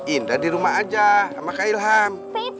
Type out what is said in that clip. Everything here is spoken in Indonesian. indah dirumah aja ama kak ilham